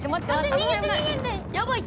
逃げて逃げて！